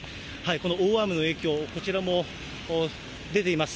この大雨の影響、こちらも出ています。